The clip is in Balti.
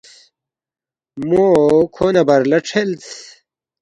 موکھو نہ بر لہ کھریلس